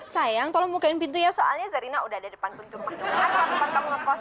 sayang tolong bukain pintunya soalnya zarina udah ada depan pintu rumah